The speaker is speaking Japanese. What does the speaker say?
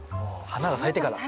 花が咲いてから。